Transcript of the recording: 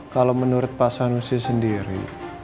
kalau menurut pak sanusi sendiri